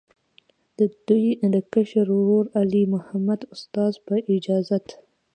د دوي د کشر ورور، علي محمد استاذ، پۀ اجازت